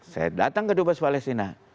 saya datang ke dubes palestina